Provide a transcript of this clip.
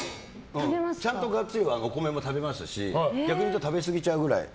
ちゃんとガッツリお米も食べますし逆に、食べ過ぎちゃうくらい。